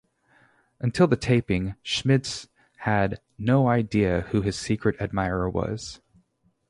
Until the taping, Schmitz had no idea who his secret admirer was.